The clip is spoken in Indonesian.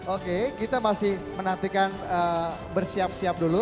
oke kita masih menantikan bersiap siap dulu